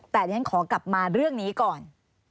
แต่เดี๋ยวฉันขอกลับมาเรื่องนี้ก่อน